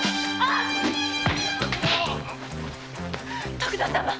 徳田様！